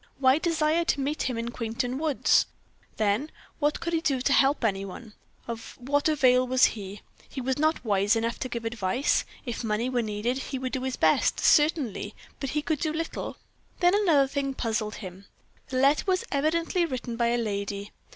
Why desire to meet him in Quainton woods? Then, what could he do to help any one? Of what avail was he? He was not wise enough to give advice. If money were needed, he would do his best, certainly, but he could do little. Then another thing puzzled him. The letter was evidently written by a lady.